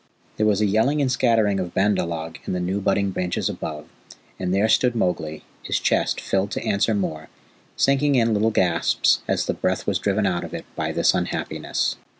There was a yelling and scattering of Bandar log in the new budding branches above, and there stood Mowgli, his chest, filled to answer Mor, sinking in little gasps as the breath was driven out of it by this unhappiness.